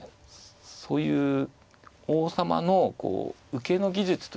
そういう王様の受けの技術というのもね